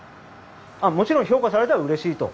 「もちろん評価されたらうれしい」と。